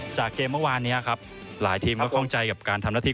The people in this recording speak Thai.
จากเกมเมื่อวานเนี้ยครับหลายทีมก็ค่องใจกับการทำ